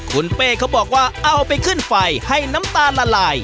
คุณเป้เขาบอกว่าเอาไปขึ้นไฟให้น้ำตาลละลาย